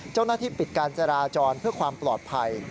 เจ้าหน้าที่ปิดการจราจรเพื่อความปลอดภัย